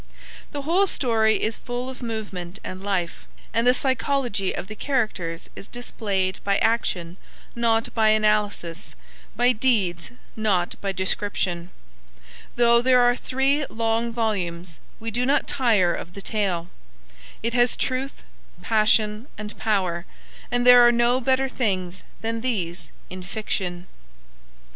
The whole story is full of movement and life, and the psychology of the characters is displayed by action not by analysis, by deeds not by description. Though there are three long volumes, we do not tire of the tale. It has truth, passion and power, and there are no better things than these in fiction.